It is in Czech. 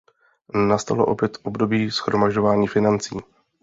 Nastalo opět období shromažďování financí.